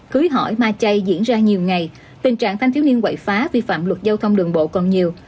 cưới hỏi ma chay diễn ra nhiều ngày tình trạng thanh thiếu niên quậy phá vi phạm luật giao thông đường bộ còn nhiều